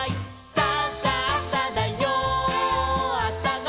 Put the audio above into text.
「さあさあさだよあさごはん」